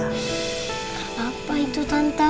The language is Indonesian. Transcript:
tapi kamu harus nurutin semua omongan tante